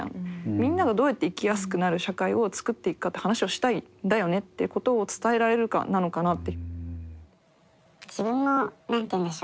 みんながどうやって生きやすくなる社会をつくっていくかって話をしたいんだよねっていうことを伝えられるかなのかなって。